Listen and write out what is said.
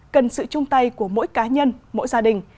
cần sự chung tay của mỗi cá nhân mỗi gia đình